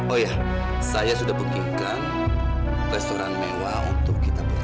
oh iya saya sudah berikan restoran mewah untuk kita berdua